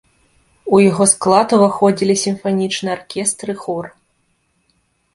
У яго склад уваходзілі сімфанічны аркестр і хор.